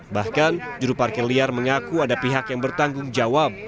bahkan juru parkir liar mengaku ada pihak yang bertanggung jawab